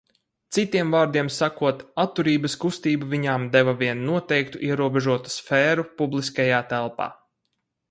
Citiem vārdiem sakot, atturības kustība viņām deva vien noteiktu ierobežotu sfēru publiskajā telpā.